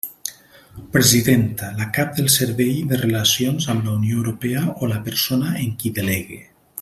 Presidenta: la cap del Servei de Relacions amb la Unió Europea o la persona en qui delegue.